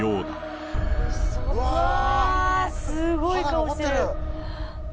わぁすごい顔してる。